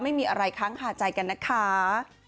ไม่มีอะไรค้างคาใจกันนะคะ